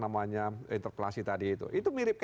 namanya interpelasi tadi itu itu mirip